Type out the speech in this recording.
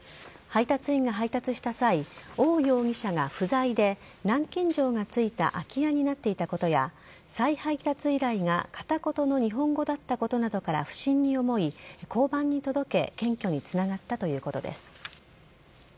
配達員が配達した際オウ容疑者が不在で南京錠がついた空き家になっていたことや再配達依頼が片言の日本語だったことなどから不審に思い交番に届け検挙につながったということです。